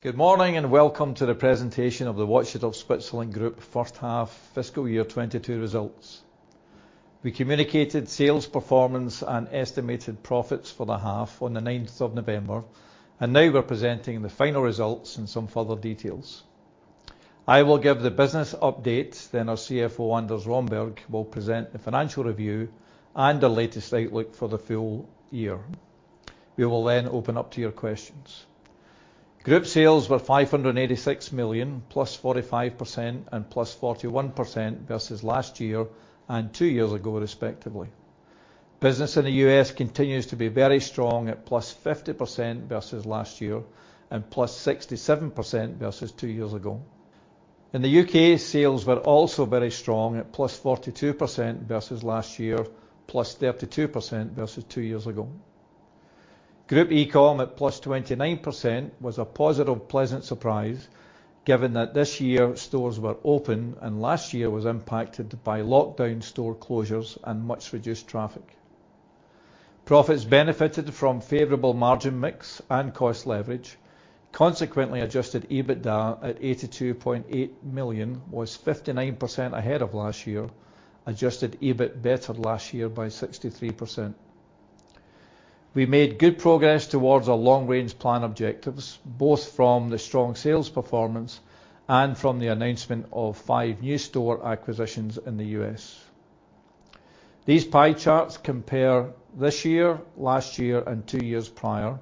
Good morning and welcome to the presentation of the Watches of Switzerland Group first half fiscal year 2022 results. We communicated sales performance and estimated profits for the half on the 9th of November, and now we're presenting the final results and some further details. I will give the business update, then our CFO, Anders Romberg, will present the financial review and the latest outlook for the full year. We will then open up to your questions. Group sales were 586 million +45% and +41% versus last year and two years ago, respectively. Business in the U.S. continues to be very strong at +50% versus last year and +67% versus two years ago. In the U.K., sales were also very strong at +42% versus last year, +32% versus two years ago. Group E-com at +29% was a positive pleasant surprise given that this year stores were open and last year was impacted by lockdown store closures and much reduced traffic. Profits benefited from favorable margin mix and cost leverage. Consequently, adjusted EBITDA at 82.8 million was 59% ahead of last year. Adjusted EBIT bettered last year by 63%. We made good progress towards our long-range plan objectives, both from the strong sales performance and from the announcement of 5 new store acquisitions in the U.S. These pie charts compare this year, last year, and two years prior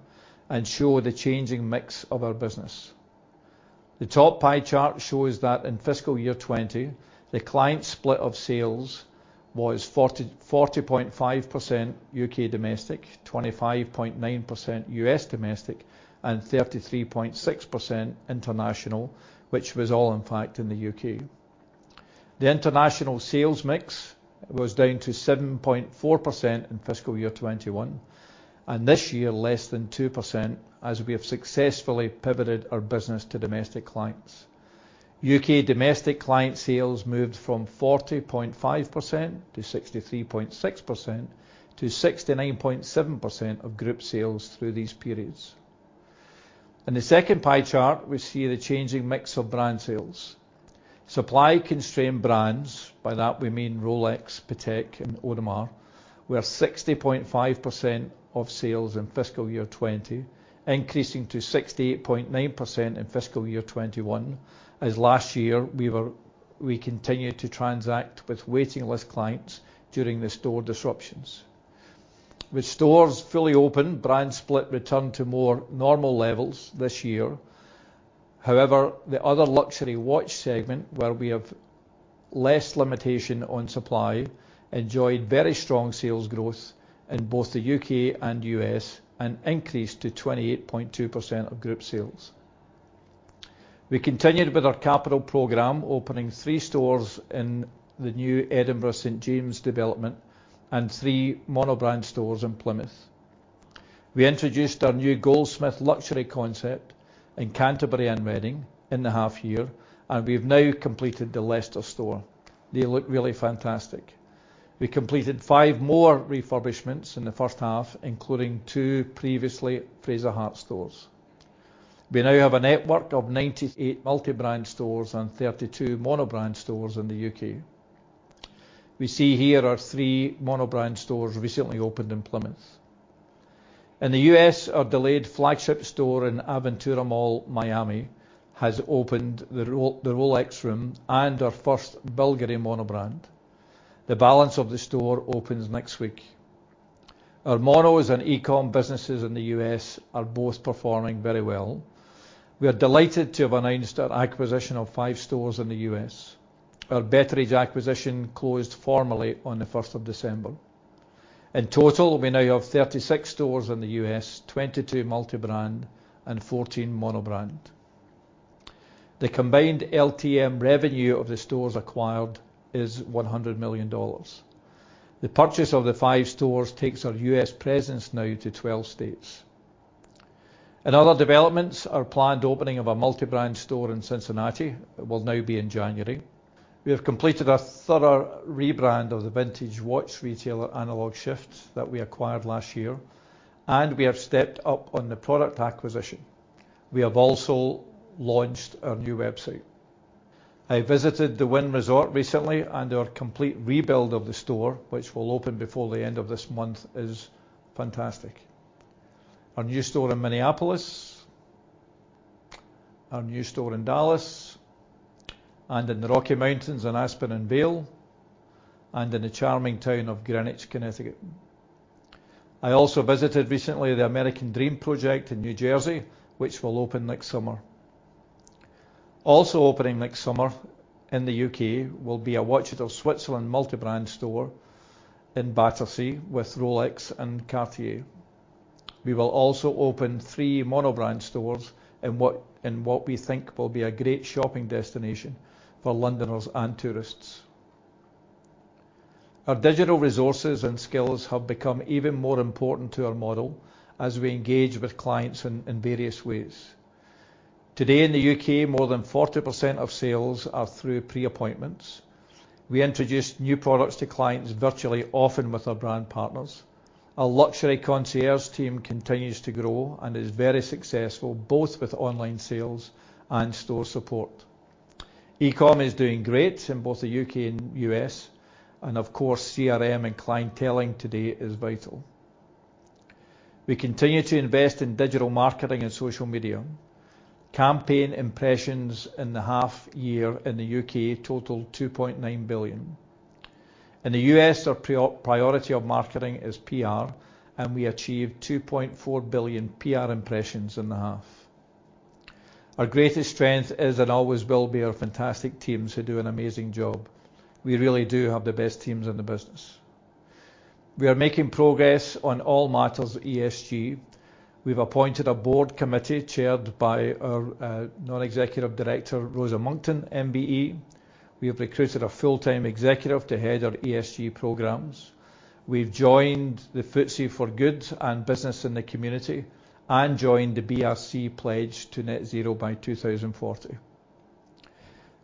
and show the changing mix of our business. The top pie chart shows that in fiscal year 2020, the client split of sales was 40.5% U.K. domestic, 25.9% U.S. domestic, and 33.6% international, which was all in fact in the U.K. The international sales mix was down to 7.4% in fiscal year 2021, and this year less than 2% as we have successfully pivoted our business to domestic clients. U.K. domestic client sales moved from 40.5%-63.6%-69.7% of group sales through these periods. In the second pie chart, we see the changing mix of brand sales. Supply-constrained brands, by that we mean Rolex, Patek, and Audemars, were 60.5% of sales in FY 2020, increasing to 68.9% in FY 2021, as last year we continued to transact with waiting list clients during the store disruptions. With stores fully open, brand split returned to more normal levels this year. However, the other luxury watch segment where we have less limitation on supply enjoyed very strong sales growth in both the U.K. and U.S. and increased to 28.2% of group sales. We continued with our capital program, opening three stores in the new Edinburgh St. James development and three mono-brand stores in Plymouth. We introduced our new Goldsmiths Luxury concept in Canterbury and Reading in the half year, and we've now completed the Leicester store. They look really fantastic. We completed five more refurbishments in the first half, including two previously Fraser Hart stores. We now have a network of 98 multi-brand stores and 32 mono-brand stores in the U.K. We see here our three mono-brand stores recently opened in Plymouth. In the U.S., our delayed flagship store in Aventura Mall, Miami, has opened the Rolex room and our first BVLGARI mono-brand. The balance of the store opens next week. Our Monos and E-com businesses in the U.S. are both performing very well. We are delighted to have announced our acquisition of five stores in the U.S. Our Betteridge acquisition closed formally on the 1st of December. In total, we now have 36 stores in the U.S., 22 multi-brand and 14 mono-brand. The combined LTM revenue of the stores acquired is $100 million. The purchase of the five stores takes our U.S. presence now to 12 states. In other developments, our planned opening of a multi-brand store in Cincinnati will now be in January. We have completed a thorough rebrand of the vintage watch retailer Analog Shift that we acquired last year, and we have stepped up on the product acquisition. We have also launched our new website. I visited the Wynn Resort recently and our complete rebuild of the store, which will open before the end of this month, is fantastic. Our new store in Minneapolis, our new store in Dallas, and in the Rocky Mountains in Aspen and Vail, and in the charming town of Greenwich, Connecticut. I also visited recently the American Dream project in New Jersey, which will open next summer. Also opening next summer in the U.K. will be a Watches of Switzerland multi-brand store in Battersea with Rolex and Cartier. We will also open three mono-brand stores in what we think will be a great shopping destination for Londoners and tourists. Our digital resources and skills have become even more important to our model as we engage with clients in various ways. Today in the U.K., more than 40% of sales are through pre-appointments. We introduced new products to clients virtually often with our brand partners. Our luxury concierge team continues to grow and is very successful, both with online sales and store support. E-com is doing great in both the U.K. and U.S., and of course, CRM and clienteling today is vital. We continue to invest in digital marketing and social media. Campaign impressions in the half year in the U.K. totaled 2.9 billion. In the U.S., our priority of marketing is PR, and we achieved 2.4 billion PR impressions in the half. Our greatest strength is and always will be our fantastic teams who do an amazing job. We really do have the best teams in the business. We are making progress on all matters at ESG. We've appointed a board committee chaired by our non-executive director, Rosa Monckton, MBE. We have recruited a full-time executive to head our ESG programs. We've joined the FTSE4Good and Business in the Community and joined the BRC pledge to net zero by 2040.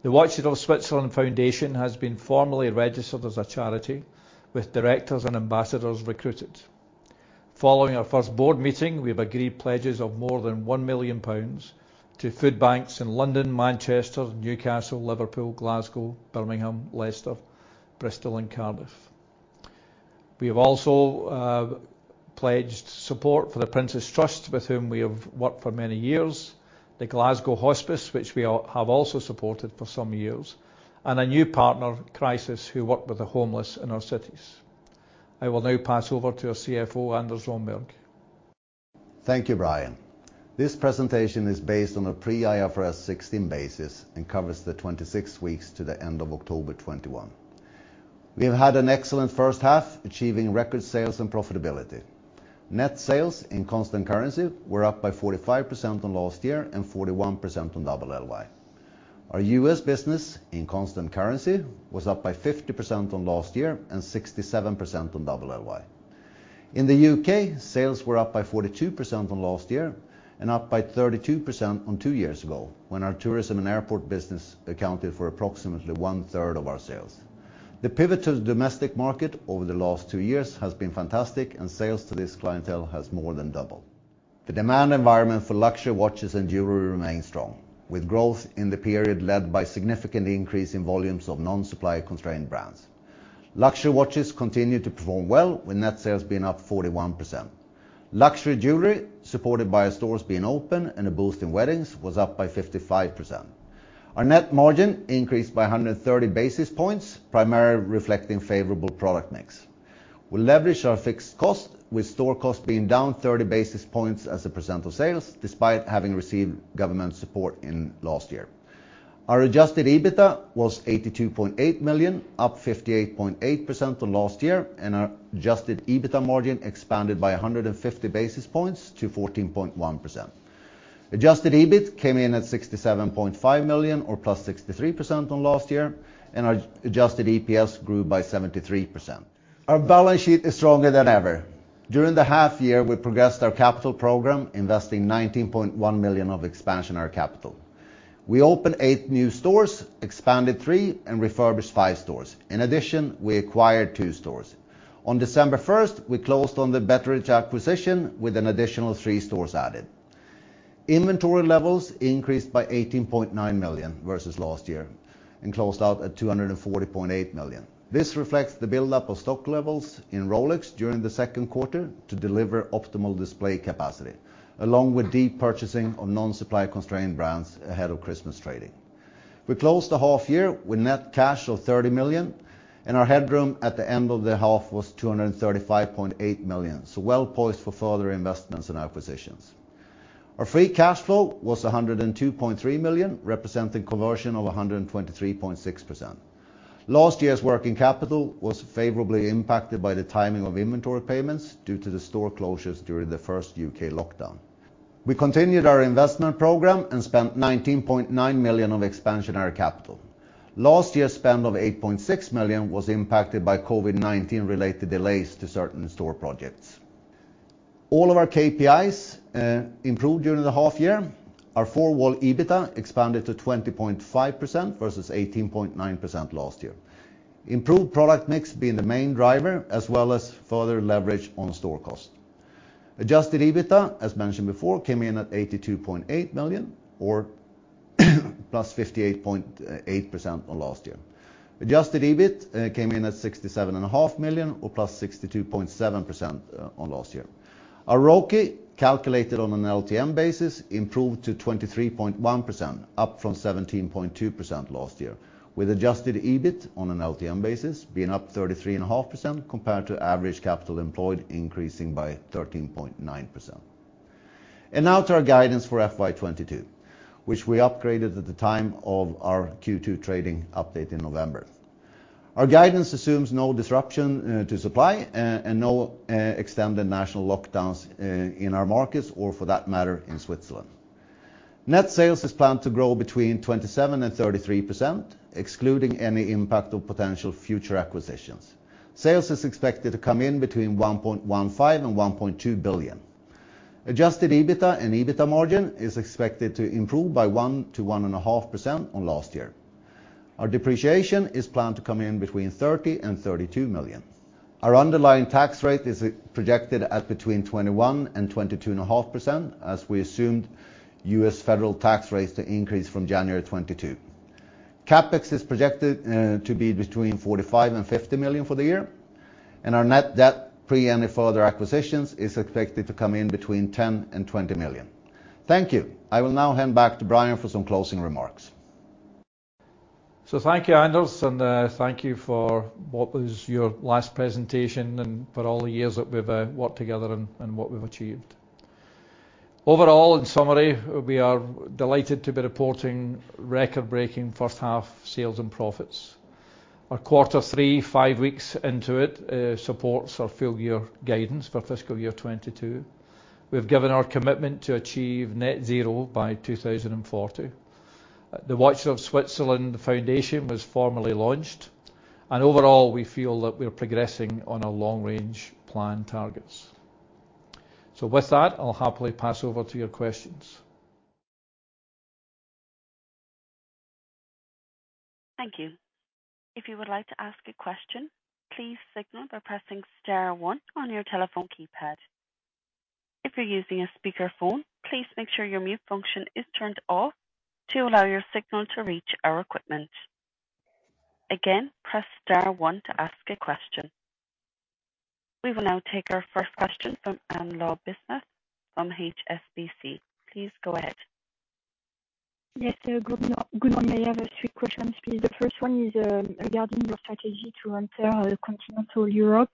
The Watches of Switzerland Foundation has been formally registered as a charity with directors and ambassadors recruited. Following our first board meeting, we have agreed pledges of more than 1 million pounds to food banks in London, Manchester, Newcastle, Liverpool, Glasgow, Birmingham, Leicester, Bristol, and Cardiff. We have also pledged support for the Prince's Trust, with whom we have worked for many years, the Glasgow's Hospice, which we have also supported for some years, and a new partner, Crisis, who work with the homeless in our cities. I will now pass over to our CFO, Anders Romberg. Thank you, Brian. This presentation is based on a pre-IFRS 16 basis and covers the 26 weeks to the end of October 2021. We have had an excellent first half, achieving record sales and profitability. Net sales in constant currency were up by 45% on last year and 41% on double LY. Our U.S. business in constant currency was up by 50% on last year and 67% on double LY. In the U.K., sales were up by 42% on last year and up by 32% on two years ago, when our tourism and airport business accounted for approximately one-third of our sales. The pivot to the domestic market over the last two years has been fantastic, and sales to this clientele has more than doubled. The demand environment for luxury watches and jewelry remains strong, with growth in the period led by significant increase in volumes of non-supply constrained brands. Luxury watches continued to perform well, with net sales being up 41%. Luxury jewelry, supported by our stores being open and a boost in weddings, was up by 55%. Our net margin increased by 130 basis points, primarily reflecting favorable product mix. We leveraged our fixed cost, with store costs being down 30 basis points as a percent of sales, despite having received government support in last year. Our adjusted EBITDA was 82.8 million, up 58.8% on last year, and our adjusted EBITDA margin expanded by 150 basis points to 14.1%. Adjusted EBIT came in at 67.5 million or +63% on last year, and our adjusted EPS grew by 73%. Our balance sheet is stronger than ever. During the half year, we progressed our capital program, investing 19.1 million of expansionary capital. We opened eight new stores, expanded three, and refurbished five stores. In addition, we acquired two stores. On December first, we closed on the Betteridge acquisition with an additional three stores added. Inventory levels increased by 18.9 million versus last year and closed out at 240.8 million. This reflects the buildup of stock levels in Rolex during the second quarter to deliver optimal display capacity, along with depurchasing of non-supply constrained brands ahead of Christmas trading. We closed the half year with net cash of 30 million, and our headroom at the end of the half was 235.8 million, so well-poised for further investments and acquisitions. Our free cash flow was 102.3 million, representing conversion of 123.6%. Last year's working capital was favorably impacted by the timing of inventory payments due to the store closures during the first U.K. lockdown. We continued our investment program and spent 19.9 million of expansionary capital. Last year's spend of 8.6 million was impacted by COVID-19 related delays to certain store projects. All of our KPIs improved during the half year. Our four-wall EBITDA expanded to 20.5% versus 18.9% last year. Improved product mix being the main driver as well as further leverage on store cost. Adjusted EBITDA, as mentioned before, came in at 82.8 million or +58.8% on last year. Adjusted EBIT came in at 67.5 million or +62.7% on last year. Our ROCE, calculated on an LTM basis, improved to 23.1%, up from 17.2% last year, with adjusted EBIT on an LTM basis being up 33.5% compared to average capital employed increasing by 13.9%. Now to our guidance for FY 2022, which we upgraded at the time of our Q2 trading update in November. Our guidance assumes no disruption to supply and no extended national lockdowns in our markets or, for that matter, in Switzerland. Net sales is planned to grow between 27%-33%, excluding any impact of potential future acquisitions. Sales is expected to come in between 1.15 billion and 1.2 billion. Adjusted EBITDA and EBITDA margin is expected to improve by 1%-1.5% on last year. Our depreciation is planned to come in between 30 million and 32 million. Our underlying tax rate is projected at between 21% and 22.5%, as we assumed U.S. federal tax rates to increase from January 2022. CapEx is projected to be between 45 million and 50 million for the year, and our net debt pre any further acquisitions is expected to come in between 10 million and 20 million. Thank you. I will now hand back to Brian for some closing remarks. Thank you, Anders, and thank you for what was your last presentation and for all the years that we've worked together and what we've achieved. Overall, in summary, we are delighted to be reporting record-breaking first half sales and profits. Our quarter three, five weeks into it, supports our full year guidance for FY 2022. We have given our commitment to achieve net zero by 2040. The Watches of Switzerland Foundation was formally launched, and overall we feel that we are progressing on our long range plan targets. With that, I'll happily pass over to your questions. Thank you. If you would like to ask a question, please signal by pressing star one on your telephone keypad. If you're using a speakerphone, please make sure your mute function is turned off to allow your signal to reach our equipment. Again, press star one to ask a question. We will now take our first question from Anne-Laure Bismuth from HSBC. Please go ahead. Yes, sir. Good morning. I have three questions, please. The first one is regarding your strategy to enter continental Europe.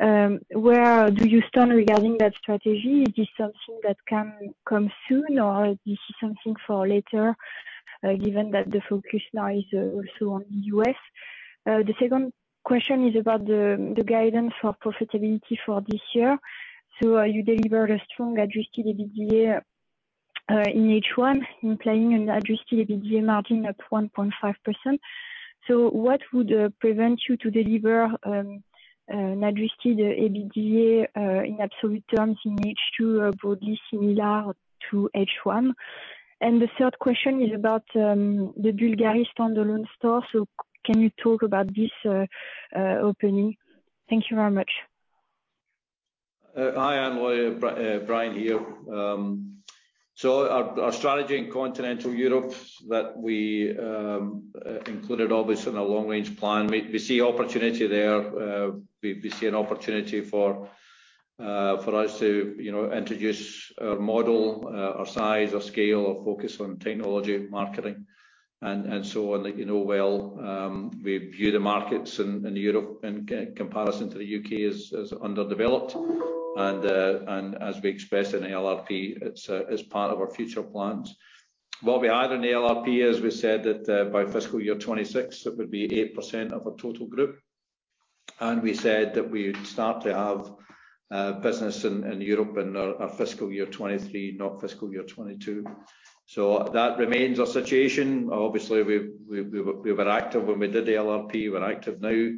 Where do you stand regarding that strategy? Is this something that can come soon or is this something for later, given that the focus now is also on the U.S.? The second question is about the guidance for profitability for this year. You delivered a strong adjusted EBITDA in H1, implying an adjusted EBITDA margin of 1.5%. What would prevent you to deliver an adjusted EBITDA in absolute terms in H2 broadly similar to H1? The third question is about the BVLGARI standalone store. Can you talk about this opening? Thank you very much. Hi Anne-Laure, Brian here. Our strategy in continental Europe that we included obviously in our long range plan, we see opportunity there. We see an opportunity for us to, you know, introduce our model, our size, our scale, our focus on technology, marketing and so on that, you know well. We view the markets in Europe in comparison to the U.K. as underdeveloped. As we expressed in LRP, it's as part of our future plans. What we had in the LRP is we said that, by FY 2026, it would be 8% of our total group. We said that we would start to have business in Europe in our FY 2023, not FY 2022. That remains our situation. Obviously, we were active when we did the LRP. We're active now.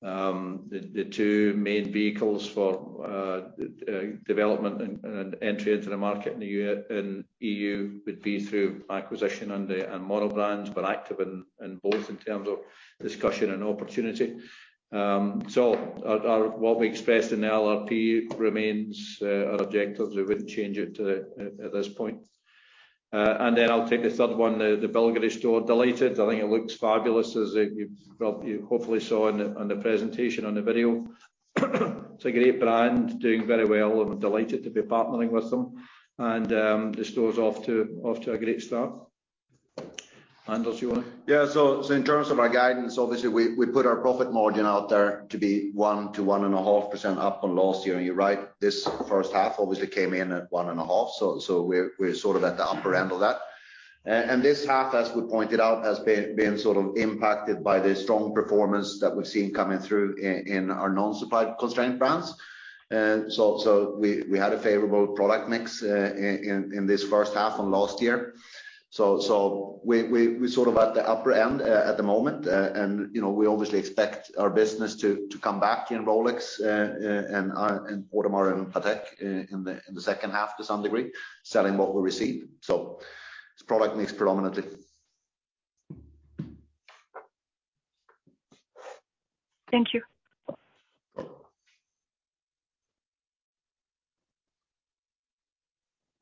The two main vehicles for development and entry into the market in the EU would be through acquisition and mono brands. We're active in both in terms of discussion and opportunity. So what we expressed in the LRP remains our objective. We wouldn't change it at this point. I'll take the third one, the BVLGARI store. Delighted. I think it looks fabulous as you hopefully saw on the presentation on the video. It's a great brand, doing very well, and we're delighted to be partnering with them. The store's off to a great start. Anders, you wanna? In terms of our guidance, obviously we put our profit margin out there to be 1%-1.5% up on last year. You're right, this first half obviously came in at 1.5%. We're sort of at the upper end of that. This half, as we pointed out, has been sort of impacted by the strong performance that we've seen coming through in our non-supply constrained brands. We had a favorable product mix in this first half on last year. We're sort of at the upper end at the moment. You know, we obviously expect our business to come back in Rolex, in Audemars and Patek in the second half to some degree, selling what we received. It's product mix predominantly. Thank you.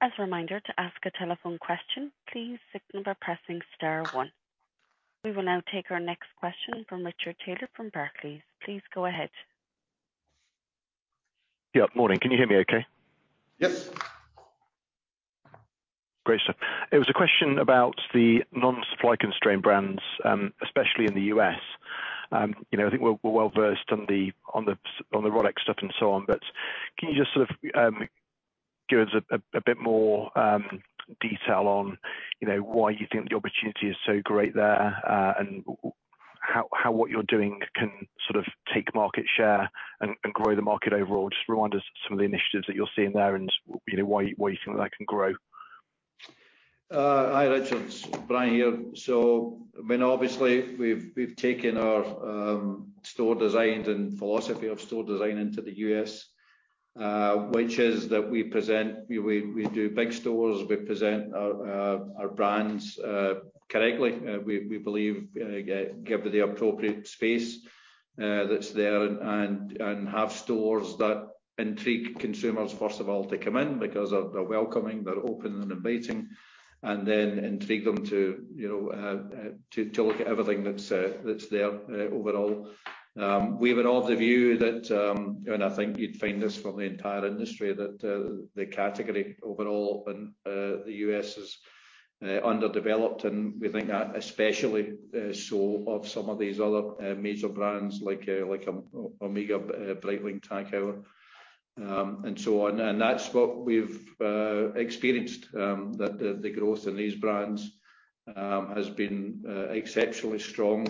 As a reminder to ask a telephone question, please signal by pressing star one. We will now take our next question from Richard Taylor from Barclays. Please go ahead. Yeah. Morning. Can you hear me okay? Yes. Great stuff. It was a question about the non-supply constrained brands, especially in the U.S. You know, I think we're well versed on the Rolex stuff and so on, but can you just sort of give us a bit more detail on, you know, why you think the opportunity is so great there, and how what you're doing can sort of take market share and grow the market overall? Just remind us some of the initiatives that you're seeing there and, you know, why you think that they can grow. Hi, Richard. It's Brian here. I mean, obviously we've taken our store design and philosophy of store design into the U.S., which is that we do big stores. We present our brands correctly. We believe give the appropriate space that's there and have stores that intrigue consumers, first of all, to come in because they're welcoming, they're open and inviting. Intrigue them to, you know, to look at everything that's there overall. We have an overall view that I think you'd find this from the entire industry that the category overall and the U.S. is underdeveloped, and we think that especially so of some of these other major brands like OMEGA, Breitling, TAG Heuer, and so on. That's what we've experienced that the growth in these brands has been exceptionally strong,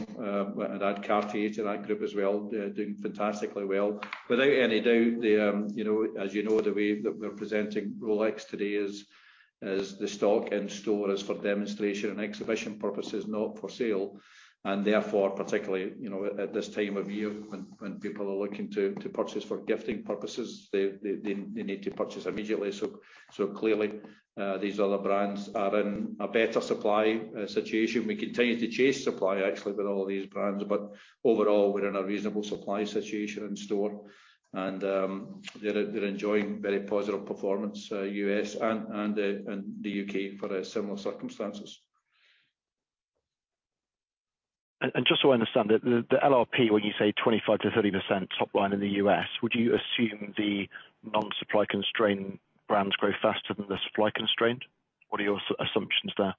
and add Cartier to that group as well. They're doing fantastically well. Without any doubt, you know, as you know, the way that we're presenting Rolex today is the stock in store is for demonstration and exhibition purposes, not for sale. Therefore, particularly, you know, at this time of year when people are looking to purchase for gifting purposes, they need to purchase immediately. Clearly, these other brands are in a better supply situation. We continue to chase supply actually with all these brands, but overall we're in a reasonable supply situation in store and they're enjoying very positive performance, U.S. and the U.K. for similar circumstances. Just so I understand it, the LRP, when you say 25%-30% top line in the U.S., would you assume the non-supply constrained brands grow faster than the supply constrained? What are your assumptions there?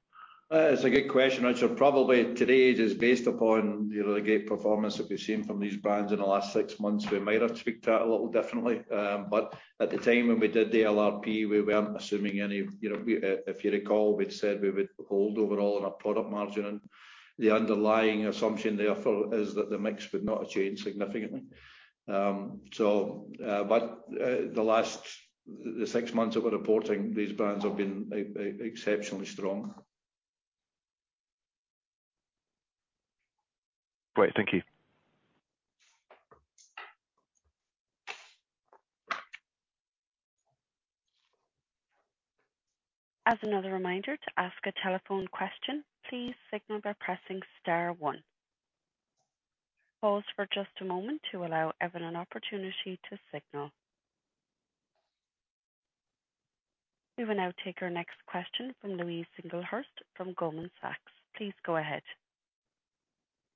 It's a good question, Richard. Probably today it is based upon, you know, the great performance that we've seen from these brands in the last six months. We might have tweaked that a little differently. At the time when we did the LRP, we weren't assuming any, you know, if you recall, we'd said we would hold overall on our product margin and the underlying assumption therefore is that the mix would not change significantly. The last six months that we're reporting, these brands have been exceptionally strong. Great. Thank you. As another reminder to ask a telephone question, please signal by pressing star one. Pause for just a moment to allow everyone an opportunity to signal. We will now take our next question from Louise Singlehurst from Goldman Sachs. Please go ahead.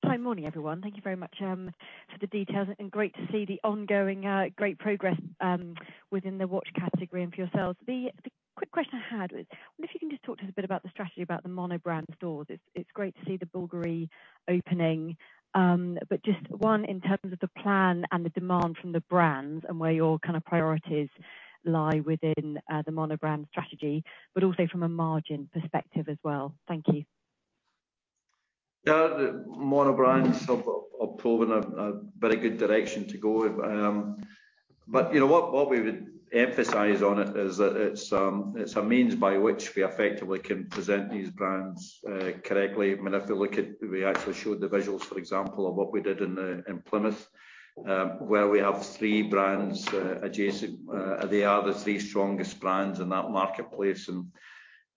Hi. Morning, everyone. Thank you very much for the details and great to see the ongoing great progress within the watch category and for yourselves. The quick question I had was, I wonder if you can just talk to us a bit about the strategy about the mono brand stores. It's great to see the BVLGARI opening, but just one, in terms of the plan and the demand from the brands and where your kind of priorities lie within the mono brand strategy, but also from a margin perspective as well. Thank you. Yeah. The mono brands have proven a very good direction to go. You know what we would emphasize on it is that it's a means by which we effectively can present these brands correctly. I mean, if you look at, we actually showed the visuals, for example, of what we did in Plymouth, where we have three brands adjacent. They are the three strongest brands in that marketplace and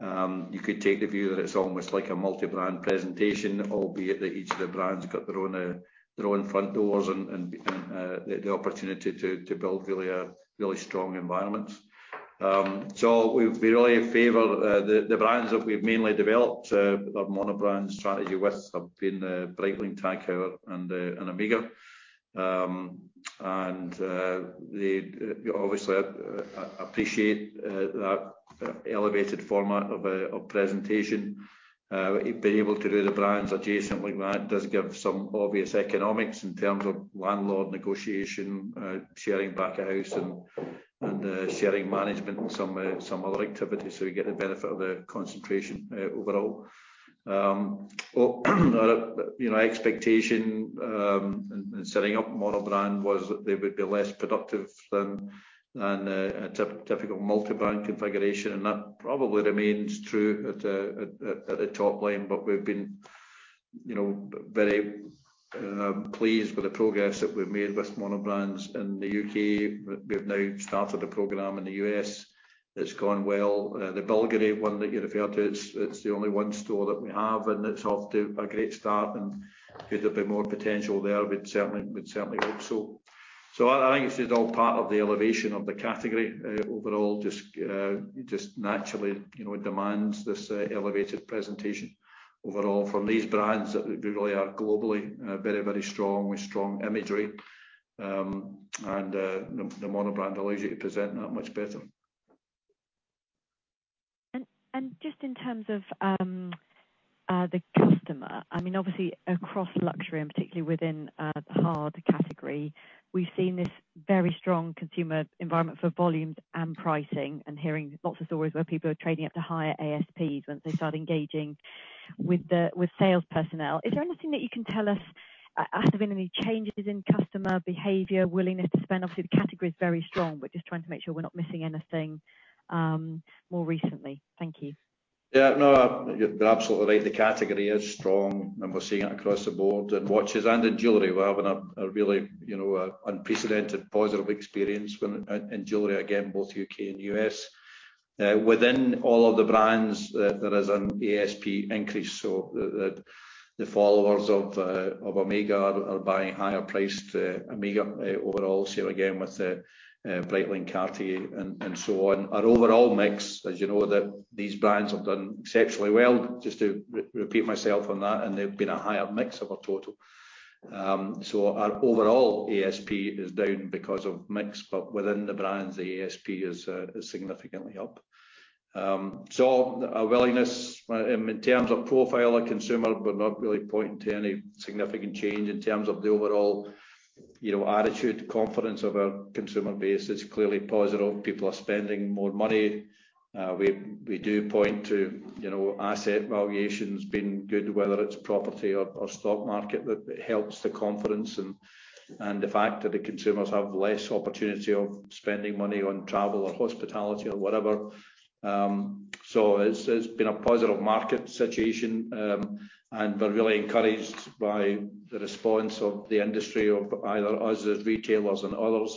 you could take the view that it's almost like a multi-brand presentation, albeit that each of the brands got their own front doors and the opportunity to build a really strong environment. We really favor the brands that we've mainly developed our mono-brand strategy with Breitling, TAG Heuer and OMEGA. They obviously appreciate that elevated format of presentation. Being able to do the brands adjacent like that does give some obvious economics in terms of landlord negotiation, sharing back of house and sharing management and some other activities, so we get the benefit of the concentration overall. Our, you know, expectation in setting up mono-brand was that they would be less productive than a typical multi-brand configuration, and that probably remains true at the top line. We've been, you know, very pleased with the progress that we've made with mono-brands in the U.K. We've now started a program in the U.S. It's gone well. The BVLGARI one that you referred to, it's the only one store that we have, and it's off to a great start. Could there be more potential there? We'd certainly hope so. I think it's just all part of the elevation of the category overall, just naturally, you know, demands this elevated presentation overall from these brands that they really are globally very, very strong, with strong imagery. The mono-brand allows you to present that much better. Just in terms of the customer, I mean obviously across luxury and particularly within the hard category, we've seen this very strong consumer environment for volumes and pricing and hearing lots of stories where people are trading up to higher ASPs once they start engaging with the sales personnel. Is there anything that you can tell us as to whether there have been any changes in customer behavior, willingness to spend? Obviously, the category is very strong. We're just trying to make sure we're not missing anything more recently. Thank you. Yeah. No, you're absolutely right. The category is strong, and we're seeing it across the board in watches and in jewelry. We're having a really, you know, an unprecedented positive experience in jewelry, again, both U.K. and U.S. Within all of the brands there is an ASP increase. So the followers of Omega are buying higher priced Omega overall. Same again with Breitling, Cartier, and so on. Our overall mix, as you know, that these brands have done exceptionally well, just to repeat myself on that, and they've been a higher mix of our total. So our overall ASP is down because of mix, but within the brands the ASP is significantly up. Our willingness in terms of profile of consumer, we're not really pointing to any significant change in terms of the overall, you know, attitude. Confidence of our consumer base is clearly positive. People are spending more money. We do point to, you know, asset valuations being good, whether it's property or stock market that helps the confidence and the fact that the consumers have less opportunity of spending money on travel or hospitality or whatever. It's been a positive market situation. We're really encouraged by the response of the industry of either us as retailers and others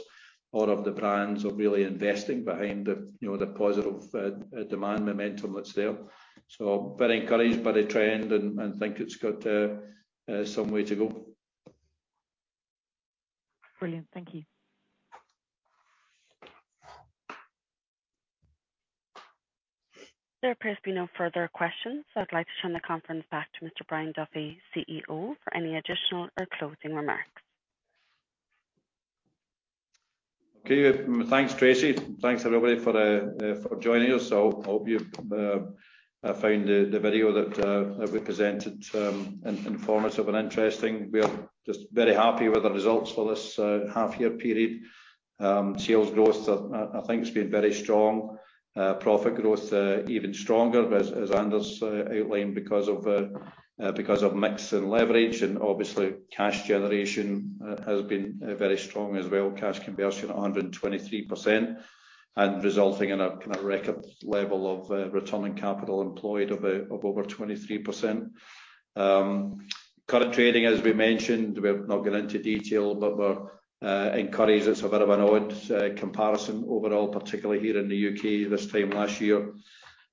or of the brands of really investing behind the, you know, the positive demand momentum that's there. Very encouraged by the trend and think it's got some way to go. Brilliant. Thank you. There appears to be no further questions, so I'd like to turn the conference back to Mr. Brian Duffy, CEO, for any additional or closing remarks. Okay. Thanks, Tracy. Thanks, everybody, for joining us. Hope you found the video that we presented informative and interesting. We are just very happy with the results for this half year period. Sales growth I think has been very strong. Profit growth even stronger as Anders outlined because of mix and leverage and obviously cash generation has been very strong as well. Cash conversion at 123% and resulting in a kind of record level of returning capital employed of over 23%. Current trading, as we mentioned, we'll not get into detail, but we're encouraged. It's a bit of an odd comparison overall, particularly here in the U.K. this time last year.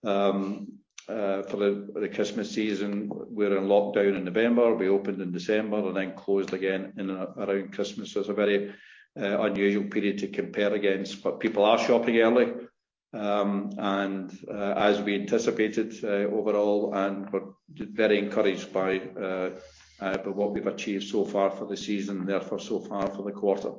For the Christmas season, we were in lockdown in November. We opened in December and then closed again in and around Christmas. It was a very unusual period to compare against. People are shopping early, and as we anticipated, overall and we're very encouraged by what we've achieved so far for the season, therefore so far for the quarter.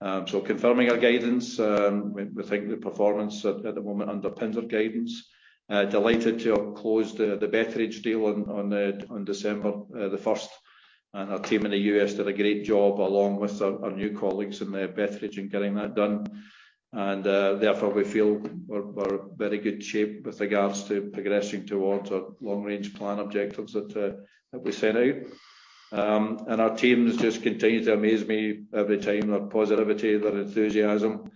Confirming our guidance, we think the performance at the moment underpins our guidance. Delighted to have closed the Betteridge deal on December the first. Our team in the U.S. did a great job along with our new colleagues in the Betteridge in getting that done. Therefore, we feel we're in very good shape with regards to progressing towards our long range plan objectives that we set out. Our teams just continue to amaze me every time. Their positivity, their enthusiasm,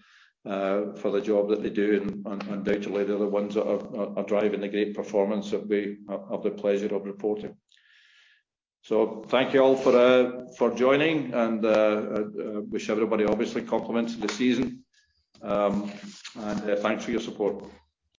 for the job that they do and undoubtedly they're the ones that are driving the great performance that we have the pleasure of reporting. Thank you all for joining and wish everybody obviously compliments of the season. Thanks for your support.